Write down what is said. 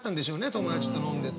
友達と飲んでて。